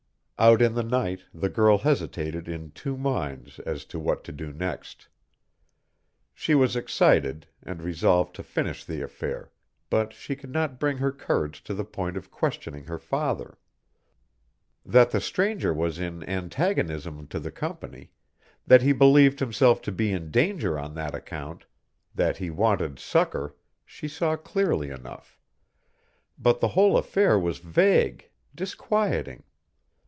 Out in the night the girl hesitated in two minds as to what to do next. She was excited, and resolved to finish the affair, but she could not bring her courage to the point of questioning her father. That the stranger was in antagonism to the Company, that he believed himself to be in danger on that account, that he wanted succor, she saw clearly enough. But the whole affair was vague, disquieting.